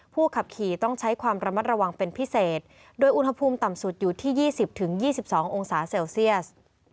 ขับขี่ต้องใช้ความระมัดระวังเป็นพิเศษโดยอุณหภูมิต่ำสุดอยู่ที่๒๐๒๒องศาเซลเซียส